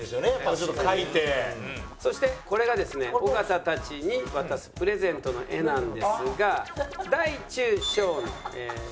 そしてこれがですね尾形たちに渡すプレゼントの画なんですが大中小の３サイズあります。